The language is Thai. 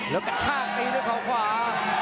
แล้วกระชากตีด้วยเขาขวา